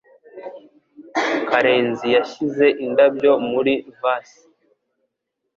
Karenzi yashyize indabyo muri vase.